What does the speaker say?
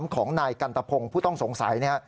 ของนายกันตะพงศ์ผู้ต้องสงสัย